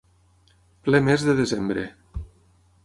Ple mes de desembre.